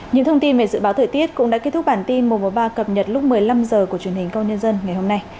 những thông tin về dự báo thời tiết cũng đã kết thúc bản tin một trăm một mươi ba cập nhật lúc một mươi năm h của truyền hình công nhân dân ngày hôm nay